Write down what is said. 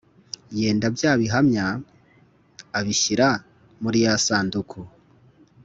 Yenda bya Bihamya abishyira muri ya sanduku